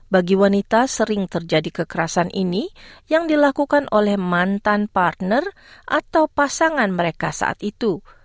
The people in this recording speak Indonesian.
bagi wanita sering terjadi kekerasan ini yang dilakukan oleh mantan partner atau pasangan mereka saat itu